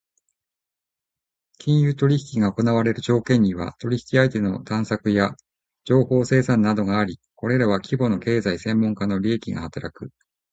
金融取引が行われる条件には、取引相手の探索や情報生産などがあり、これらは規模の経済・専門家の利益が働く。